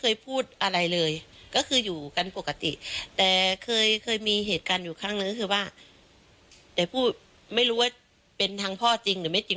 อยู่ข้างหนึ่งคือว่าแต่พูดไม่รู้ว่าเป็นทางพ่อจริงหรือไม่จริง